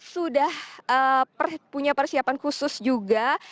sudah punya persiapan khusus juga